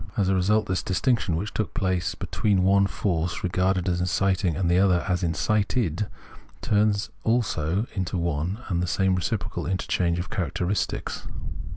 As a result, this distinction, which took place between one force re Understanding 133 garded as inciting and tlie other as incited, turns also into one and the same reciprocal interchange of characteristics.